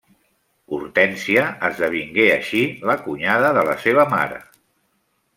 Hortènsia esdevingué així la cunyada de la seva mare.